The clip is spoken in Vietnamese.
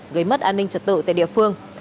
gây mất an ninh trật tự tại địa phương